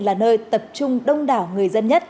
là nơi tập trung đông đảo người dân nhất